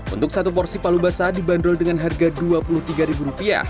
untuk satu porsi palu basah dibanderol dengan harga rp dua puluh tiga